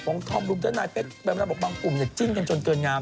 ผมท่องรู้ท่านนายเป๊กบางปุ่มจะจิ้นกันจนเกินยาม